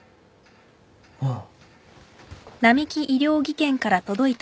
ああ。